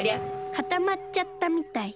かたまっちゃったみたい。